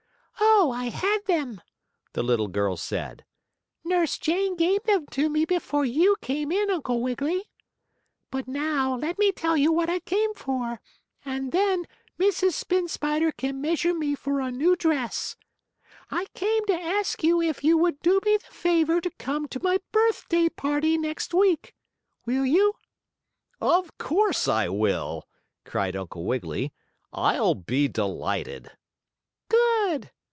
"Oh, I had them," the little girl said. "Nurse Jane gave them to me before you came in, Uncle Wiggily. But now let me tell you what I came for, and then Mrs. Spin Spider can measure me for a new dress. I came to ask if you would do me the favor to come to my birthday party next week. Will you?" "Of course I will!" cried Uncle Wiggily. "I'll be delighted." "Good!"